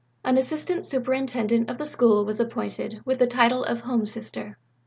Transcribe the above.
An Assistant Superintendent of the School was appointed with the title of Home Sister.